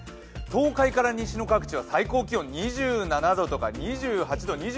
東海から西の各地は最高気温２７度とか２８度、２９度。